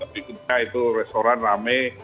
tapi kita itu restoran rame